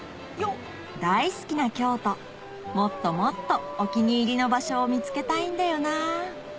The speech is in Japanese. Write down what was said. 大好きな京都もっともっとお気に入りの場所を見つけたいんだよなぁ